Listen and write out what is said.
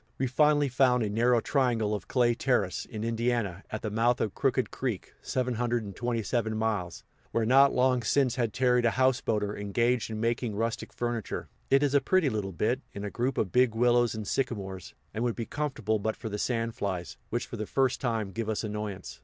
We finally found a narrow triangle of clay terrace, in Indiana, at the mouth of Crooked Creek (727 miles), where not long since had tarried a houseboater engaged in making rustic furniture. It is a pretty little bit, in a group of big willows and sycamores, and would be comfortable but for the sand flies, which for the first time give us annoyance.